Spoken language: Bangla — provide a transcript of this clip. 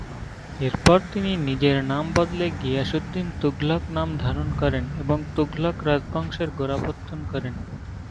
এরপর তিনি নিজের নাম বদলে গিয়াস উদ্দিন তুঘলক নাম ধারণ করেন এবং তুঘলক রাজবংশের গোড়াপত্তন করেন।